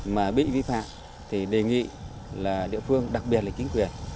mà bị vi phạm thì đề nghị là địa phương đặc biệt là chính quyền